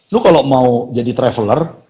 lu kalau mau jadi traveler